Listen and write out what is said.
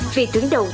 vì tướng đầu tổ quốc